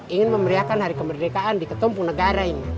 ingin memeriakan hari kemerdekaan di ketum punegara ini